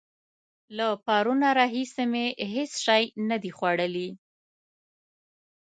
له پرونه راهسې مې هېڅ شی نه دي خوړلي.